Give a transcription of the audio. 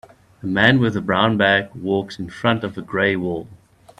A man with a brown bag walks in front of a gray wall.